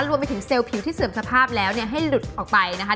รวมไปถึงเซลล์ผิวที่เสื่อมสภาพแล้วเนี่ยให้หลุดออกไปนะคะ